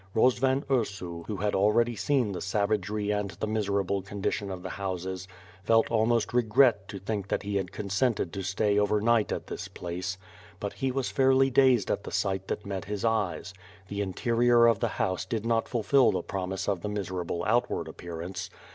Rozvan Ursu who had already seen the savagery and the miserable condition of the houses felt almost regret to think that he had consented to stay over night at this place. But he was fairly dazed at the sight that met his eyes. The interior of the house did not fulfil the promise of the miserable outward appearance.